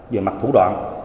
về mặt thủ đoạn